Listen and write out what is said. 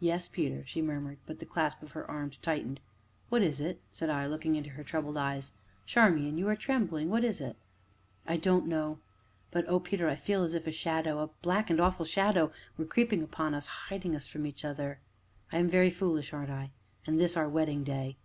"Yes, Peter," she murmured, but the clasp of her arms tightened. "What is it?" said I, looking into her troubled eyes. "Charmian, you are trembling! what is it?" "I don't know but oh, Peter! I feel as if a shadow a black and awful shadow were creeping upon us hiding us from each other. I am very foolish, aren't I? and this our wedding day!"